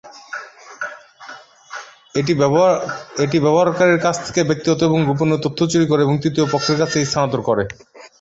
এটি ব্যবহারকারীর কাছ থেকে ব্যক্তিগত এবং গোপনীয় তথ্য চুরি করে এবং তৃতীয় পক্ষের কাছে স্থানান্তর করে।